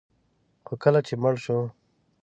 خو کله چې مړ شو